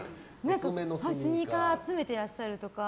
スニーカーを集めていらっしゃるとか。